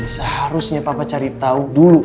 seharusnya papa cari tahu dulu